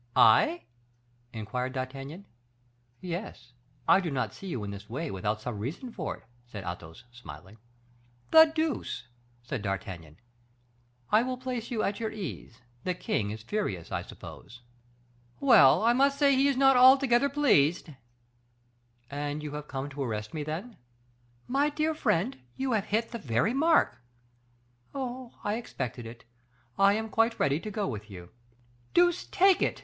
"I?" inquired D'Artagnan. "Yes; I do not see you in this way without some reason for it," said Athos, smiling. "The deuce!" said D'Artagnan. "I will place you at your ease. The king is furious, I suppose?" "Well, I must say he is not altogether pleased." "And you have come to arrest me, then?" "My dear friend, you have hit the very mark." "Oh, I expected it. I am quite ready to go with you." "Deuce take it!"